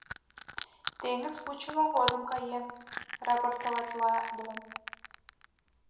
— Теҥыз пучымо годым каен, — рапортоватла Лом.